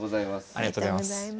ありがとうございます。